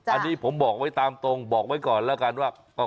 อันนี้ผมบอกไว้ตามตรงบอกไว้ก่อนแล้วกันว่า